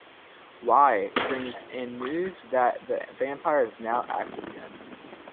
Wai brings in news that the vampire is now active again.